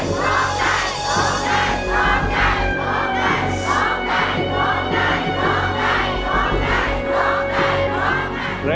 โทษไกรโทษไกรโทษไกรโทษไกร